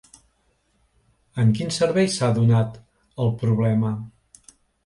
En quin servei s'ha donat el problema?